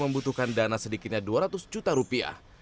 membutuhkan dana sedikitnya dua ratus juta rupiah